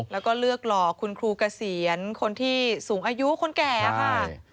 แล้วก็เลือกหลอกคุณครูเกษียณคนที่สูงอายุคนแก่ค่ะ